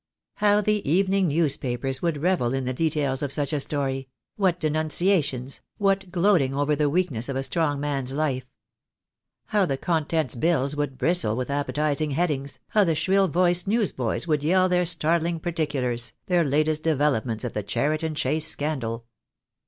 How the evening newspapers would revel in the details of such a story — what denunciations — what gloating over the weakness of a strong man's life. How the contents bills would bristle with appetizing headings, how the shrill voiced newsboys would yell their startling parti culars, their latest developments of the Cheriton Chase Scandal.